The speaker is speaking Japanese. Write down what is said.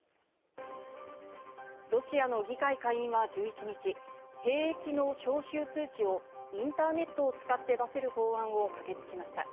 ロシアの議会下院は１１日、兵役の招集通知をインターネットを使って出せる法案を可決しました。